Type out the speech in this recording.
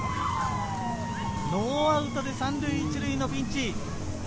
ノーアウトで３塁１塁のピンチ。